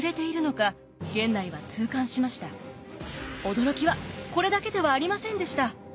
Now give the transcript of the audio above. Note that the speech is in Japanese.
驚きはこれだけではありませんでした。